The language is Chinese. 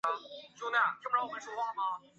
本列表列出亚洲的湖泊。